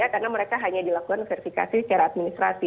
karena mereka hanya dilakukan verifikasi secara administrasi